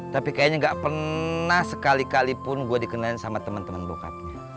tapi kayaknya gak pernah sekali kali pun gue dikenalin sama temen temen bokapnya